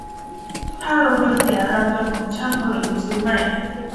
ถ้ารถยนต์เสีย เราจะส่งช่าง หรือซื้อใหม่